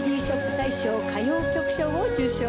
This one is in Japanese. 大賞歌謡曲賞を受賞。